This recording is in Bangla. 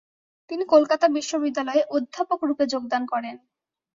তিনি কলকাতা বিশ্ববিদ্যালয়ে অধ্যাপকরূপে যোগদান করেন।